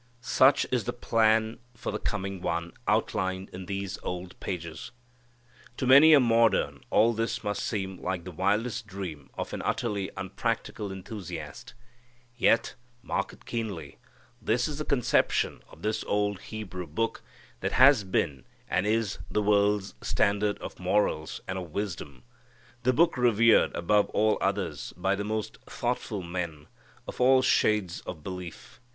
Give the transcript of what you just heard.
Such is the plan for the coming One outlined in these old pages. To many a modern all this must seem like the wildest dream of an utterly unpractical enthusiast. Yet, mark it keenly, this is the conception of this old Hebrew book that has been, and is, the world's standard of morals and of wisdom. The book revered above all others by the most thoughtful men, of all shades of belief.